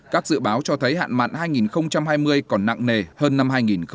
các dự báo cho thấy hạn mặn hai nghìn hai mươi còn nặng nề hơn năm hai nghìn hai mươi